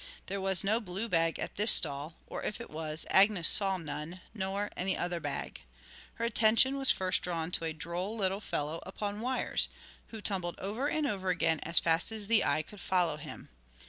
There was no blue bag at this stall, or, if there was, Agnes saw none, nor any other bag. Her attention was first drawn to a droll little fellow upon wires who tumbled over and over again as fast as the eye could follow him.